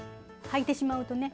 はいてしまうとね。